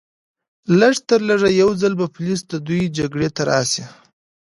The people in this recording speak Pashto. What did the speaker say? لږترلږه یو ځل به پولیس د دوی جګړې ته راشي